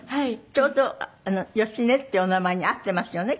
ちょうど芳根っていうお名前に合ってますよね